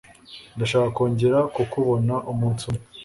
Ndashaka kongera kukubona umunsi umwe.